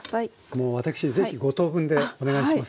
もう私是非５等分でお願いします。